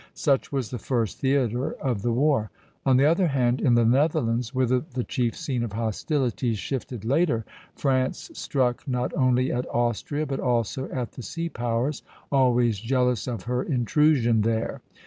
Such was the first theatre of the war. On the other hand, in the Netherlands, whither the chief scene of hostilities shifted later, France struck not only at Austria, but also at the sea powers, always jealous of her intrusion there.